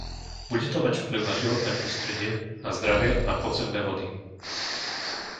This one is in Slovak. Bude to mať vplyv na životné prostredie, na zdravie a na podzemné vody.